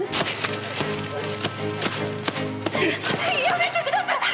やめてください！